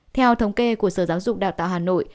theo thống kê của sở giáo dục đào tạo hà nội